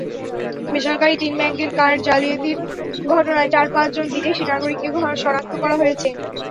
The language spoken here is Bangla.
বেসরকারি তিন ব্যাংকের কার্ড জালিয়াতির ঘটনায় চার-পাঁচজন বিদেশি নাগরিককে শনাক্ত করা হয়েছে।